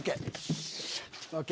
ＯＫ！